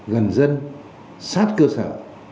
gần dân sát cơ sở